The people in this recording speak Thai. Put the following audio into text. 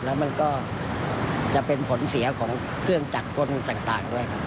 แล้วมันก็จะเป็นผลเสียของเครื่องจักรกลต่างด้วยครับ